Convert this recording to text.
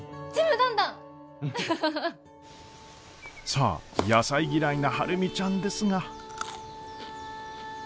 さあ野菜嫌いな晴海ちゃんですが。